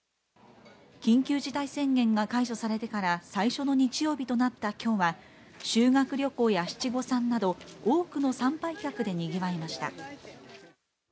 緊急事態宣言が解除されてから最初の日曜日となった今日は、修学旅行や七五三など多くの参拝客でにぎわいました。